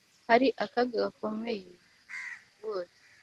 Hari akaga gakomeye ku murimo wose